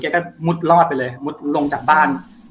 ก็มุดรอดไปเลยมุดลงจากบ้าน